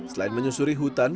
selain menyusuri hutan